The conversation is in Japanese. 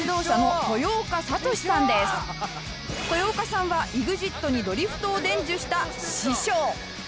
豊岡さんは ＥＸＩＴ にドリフトを伝授した師匠